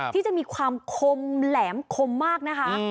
ที่จะมีความคมแหลมคมมากนะคะ